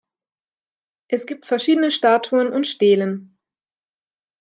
Es gibt verschiedene Statuen und Stelen.